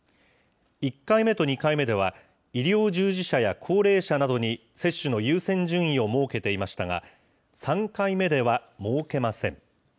１回目と２回目では、医療従事者や高齢者などに接種の優先順位を設けていましたが、３回目では設けません。